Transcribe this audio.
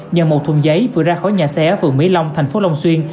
nhờ một thùng giấy vừa ra khỏi nhà xe ở phường mỹ long thành phố long xuyên